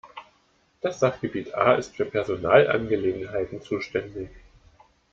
Das Sachgebiet A ist für Personalangelegenheiten zuständig.